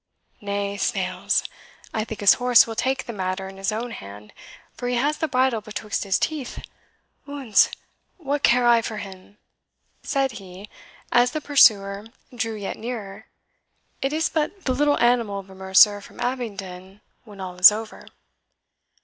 Nay, 'snails! I think his horse will take the matter in his own hand, for he has the bridle betwixt his teeth. Oons, what care I for him?" said he, as the pursuer drew yet nearer; "it is but the little animal of a mercer from Abingdon, when all is over."